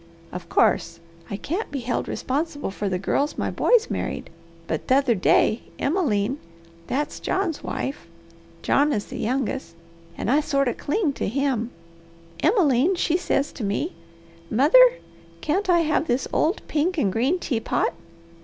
Of course, I can't be held responsible for the girls my boys married, but t'other day Emmeline that's John's wife John is the youngest, and I sort o' cling to him Emmeline she says to me, 'Mother, can't I have this old pink and green teapot?'